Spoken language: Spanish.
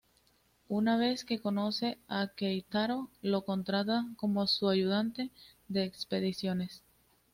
Una vez que conoce a Keitaro, lo contrata como su ayudante de expediciones.